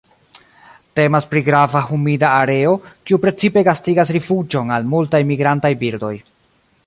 Temas pri grava humida areo, kiu precipe gastigas rifuĝon al multaj migrantaj birdoj.